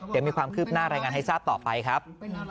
เดี๋ยวมีความคืบหน้ารายงานให้ทราบต่อไปครับ